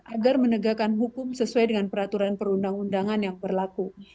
agar menegakkan hukum sesuai dengan peraturan perundang undangan yang berlaku